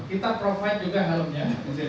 kita provide juga helmnya di dalam setiap skuter